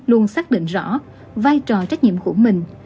luôn xác định rõ vai trò trách nhiệm của mình